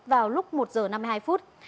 vào lúc một h năm mươi hai phút